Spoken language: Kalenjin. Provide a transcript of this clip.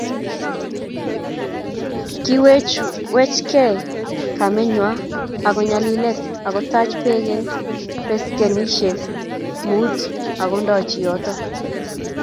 Kiwechwechkei kamenywa ak nyalylet akotach Bek eng beskenisiek mut akondochi yoto